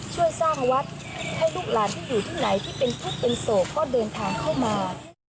ช่วยสร้างวัดให้ลูกหลานที่อยู่ที่ไหนที่เป็นทุกข์เป็นโศกก็เดินทางเข้ามา